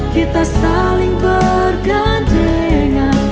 kita saling bergantengan